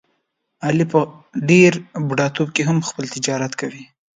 علي په ډېر بوډاتوب کې هم خپل تجارت کوي.